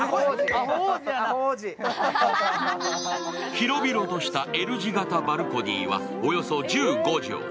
広々としたＬ字型バルコニーはおよそ１５畳。